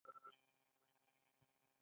خو له کور څخه هیڅ شی نه و ورک.